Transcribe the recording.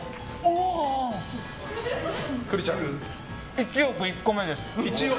１億１個目です。